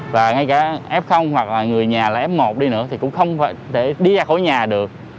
và ngay cả f hoặc là người nhà là f một đi nữa thì cũng không phải đi ra khỏi nhà được